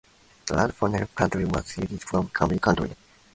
The land for Natrona County was ceded from Carbon County.